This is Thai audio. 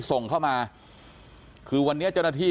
ส่งเข้ามาคือวันนี้เจ้าหน้าที่